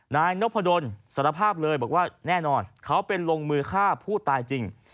นายนพดลสารภาพเลยบอกว่าแน่นอนเขาเป็นลงมือฆ่าผู้ตายจริง